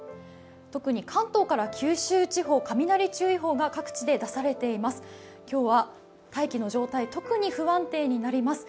特に関東から九州地方、雷注意報が各地で出されています。